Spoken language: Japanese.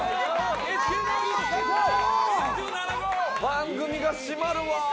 番組が締まるわ。